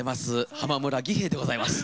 浜村義兵衛でございます。